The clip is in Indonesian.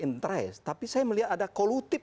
interest tapi saya melihat ada kolutif